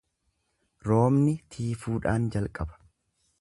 Roobni tiifuudhaan jalqaba.